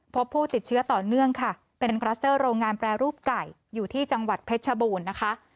พบผู้ติดเชื้อต่อเนื่องค่ะเป็นคลัสเตอร์โรงงานแปรรูปไก่อยู่ที่จังหวัดเพชรชบูรณ์นะคะ